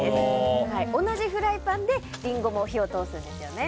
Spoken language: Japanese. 同じフライパンでリンゴも火を通すんですよね。